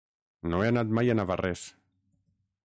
No he anat mai a Navarrés.